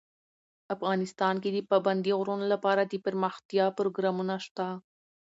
افغانستان کې د پابندي غرونو لپاره دپرمختیا پروګرامونه شته.